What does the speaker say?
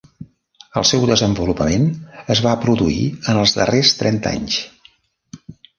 El seu desenvolupament es va produir en els darrers trenta anys.